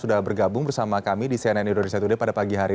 sudah bergabung bersama kami di cnn indonesia